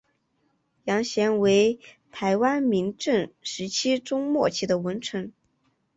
杨贤为台湾明郑时期中末期的文臣。